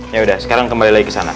yaudah sekarang kembali lagi ke sana